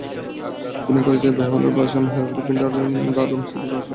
অভিনয় করেছেন বেহুলার ভাসান, হ্যারল্ড পিন্টারের দ্য রুম, সীতার বনবাসসহ অনেকগুলো নাটকে।